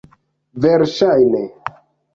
Verŝajne.